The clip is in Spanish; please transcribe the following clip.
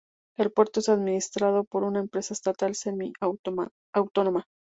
El puerto es administrado por una empresa estatal semiautónoma.